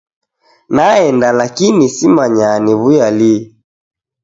Naenda lakini simanya niwuya lii.